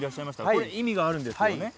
これ、意味があるんですよね。